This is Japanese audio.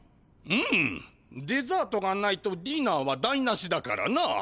うんデザートがないとディナーは台なしだからな。